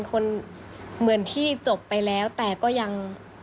คนเหมือนที่จบไปแล้วแต่ก็ยัง